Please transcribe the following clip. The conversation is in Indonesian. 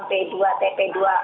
p dua tp dua kabupaten mojokato